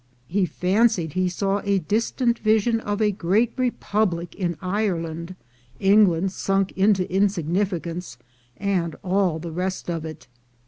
He fancied he saw a distant vision of a great republic in Ireland, England sunk into insignificance, and all the rest of it.